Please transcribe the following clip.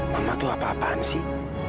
mama tuh apa apaan sih